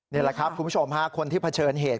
นี่แหละครับคุณผู้ชมฮะคนที่เผชิญเหตุ